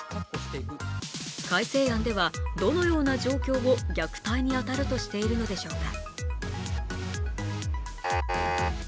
改正案では、どのような状況を虐待に当たるとしているのでしょうか。